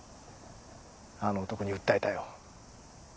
あの男に訴えたよ。